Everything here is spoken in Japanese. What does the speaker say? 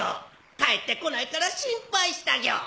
帰ってこないから心配したギョ！